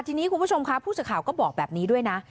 ทีนี้คุณผู้ชมค่ะผู้สื่อข่าวก็บอกแบบนี้ด้วยนะ